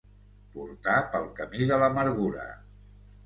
Portar pel camí de l'amargura.